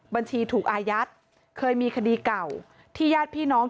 บัญชีถูกอายัดเคยมีคดีเก่าที่ญาติพี่น้องถูกดำเนินคดี